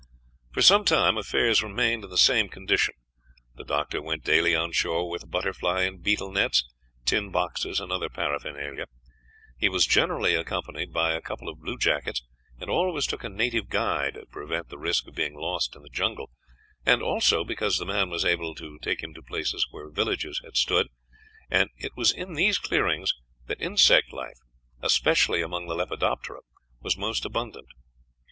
For some time affairs remained in the same condition. The doctor went daily on shore with butterfly and beetle nets, tin boxes, and other paraphernalia. He was generally accompanied by a couple of bluejackets, and always took a native guide to prevent the risk of being lost in the jungle, and also because the man was able to take him to places where villages had stood, and it was in these clearings that insect life, especially among the lepidoptera, was most abundant.